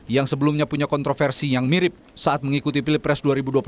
yang sebelumnya punya kontroversi yang mirip saat mengikuti pilpres dua ribu dua puluh empat